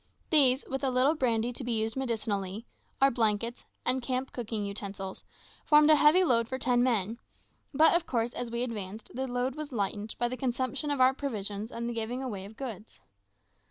These, with a little brandy to be used medicinally, our blankets and camp cooking utensils, formed a heavy load for ten men; but, of course, as we advanced, the load was lightened by the consumption of our provisions and the giving away of goods.